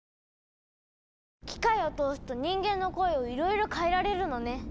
機械を通すと人間の声をいろいろ変えられるのね。